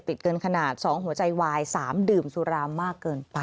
เกินขนาด๒หัวใจวาย๓ดื่มสุรามากเกินไป